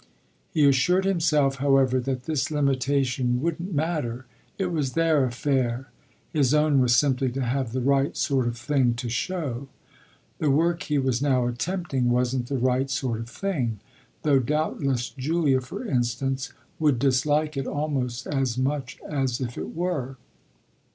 He assured himself, however, that this limitation wouldn't matter; it was their affair his own was simply to have the right sort of thing to show. The work he was now attempting wasn't the right sort of thing, though doubtless Julia, for instance, would dislike it almost as much as if it were.